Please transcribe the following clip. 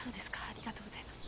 ありがとうございます。